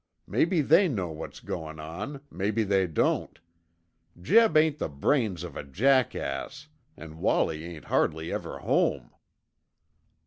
Maybe they know what's goin' on, maybe they don't. Jeb ain't the brains of a jackass an' Wallie ain't hardly ever home."